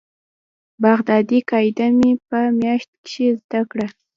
بغدادي قاعده مې په مياشت کښې زده کړه.